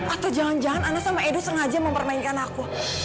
atau jangan jangan anda sama edo sengaja mempermainkan aku